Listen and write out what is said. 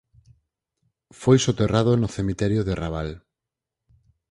Foi soterrado no cemiterio de Rabal.